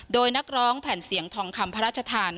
โดยนักร้องแผ่นเสียงทองคำพระราชทาน